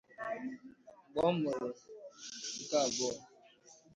Mgbe ọ mụrụ nke abụọ